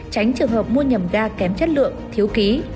tránh trường hợp mua nhầm da kém chất lượng thiếu ký